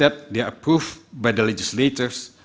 mereka diperoleh oleh legislator